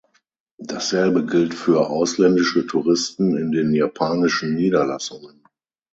Dasselbe gilt für ausländische Touristen in den japanischen Niederlassungen.